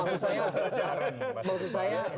maksud saya lebih konkret lebih tegas dan lebih jelas